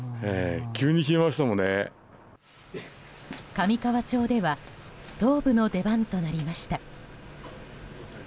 上川町ではストーブの出番となりました。